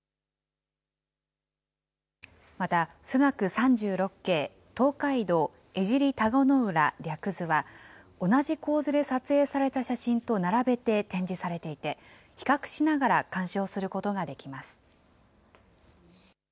また、冨嶽三十六景東海道江尻田子の浦略図は同じ構図で撮影された写真と並べて展示されていて、比較しながら鑑賞することができます。